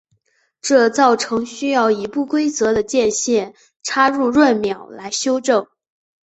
这造成需要以不规则的间隔插入闰秒来修正。